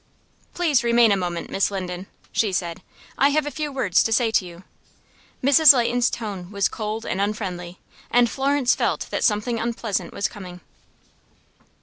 "Please remain a moment, Miss Linden," she said. "I have a few words to say to you." Mrs. Leighton's tone was cold and unfriendly, and Florence felt that something unpleasant was coming.